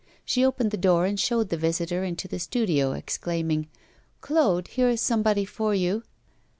She opened the door and showed the visitor into the studio, exclaiming: 'Claude, here is somebody for you.